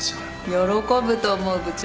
喜ぶと思う部長。